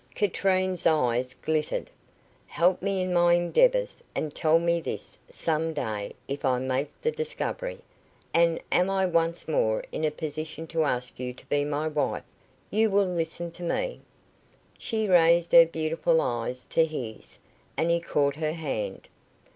Katrine's eyes glittered. "Help me in my endeavours, and tell me this some day if I make the discovery, and am once more in a position to ask you to be my wife you will listen to me?" She raised her beautiful eyes to his, and he caught her hand.